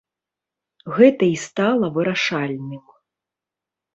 Гэта і стала вырашальным.